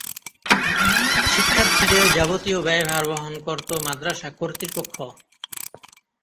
শিক্ষার্থীদের যাবতীয় ব্যয়ভার বহন করত মাদ্রাসা কর্তৃপক্ষ।